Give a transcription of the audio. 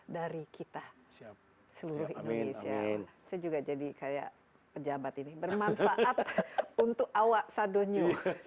dari kita seluruh indonesia saya juga jadi kayak pejabat ini bermanfaat untuk awak sadonyu